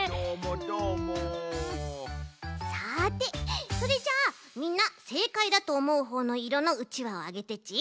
さてそれじゃあみんなせいかいだとおもうほうのいろのうちわをあげてち。